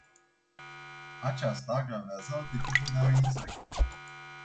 Aceasta agravează alte tipuri de amenințări.